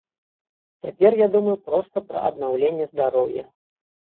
Цяпер я думаю проста пра аднаўленне здароўя.